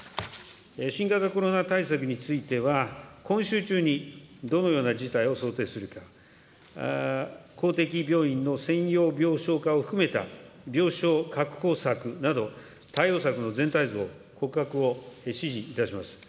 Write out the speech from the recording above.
新型コロナ対策については、今週中にどのような事態を想定するか、公的病院の専用病床化を含めた、病床確保策など、対応策の全体図を、骨格を指示いたします。